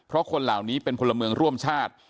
ว่าคนเหล่านี้เป็นคนละเมืองร่วมชาติ